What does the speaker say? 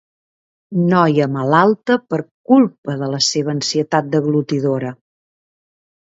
Noia malalta per culpa de la seva ansietat deglutidora.